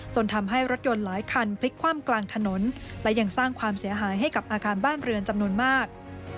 ทำให้รถยนต์หลายคันพลิกคว่ำกลางถนนและยังสร้างความเสียหายให้กับอาคารบ้านเรือนจำนวนมาก